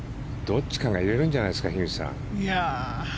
どっちかが入れるんじゃないですか樋口さん。